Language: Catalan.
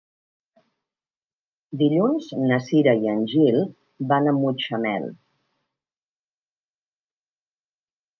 Dilluns na Cira i en Gil van a Mutxamel.